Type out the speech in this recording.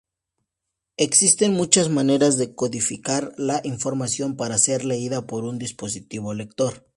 Existen muchas maneras de codificar la información para ser leída por un dispositivo lector.